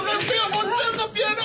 坊ちゃんのピアノ！